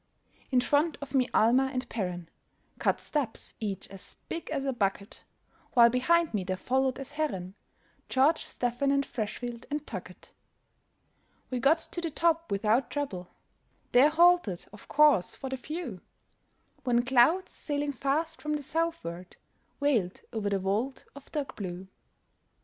In front of me Almer and Perren Cut steps, each as big as a bucket; While behind me there followed, as Herren, George, Stephen, and Freshfield, and Tuckett. We got to the top without trouble; There halted, of course, for the view; When clouds, sailing fast from the southward, Veiled over the vault of dark blue.